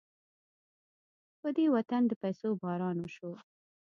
په دې وطن د پيسو باران وشو.